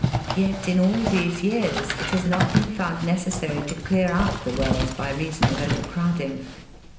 Yet in all these years it has not been found necessary to clear out the wells by reason of overcrowding.